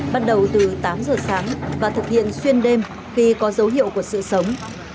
bắt đầu từ tám giờ sáng và thực hiện xuyên đêm khi có dấu hiệu của sự sống